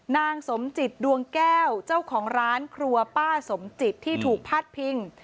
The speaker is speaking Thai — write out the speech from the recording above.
นางสมจิตดวงแก้วเจ้าของร้านครัวป้าสมจิตที่ถูกพาดพิง